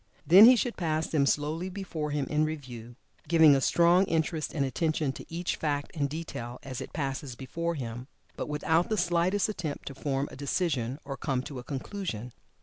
Then he should pass them slowly before him in review, giving a strong interest and attention to each fact and detail, as it passes before him, but without the slightest attempt to form a decision, or come to a conclusion.